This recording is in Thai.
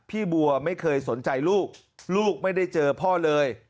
พี่บัวไม่เคยสนใจลูกลูกไม่ได้เจอพ่อเลย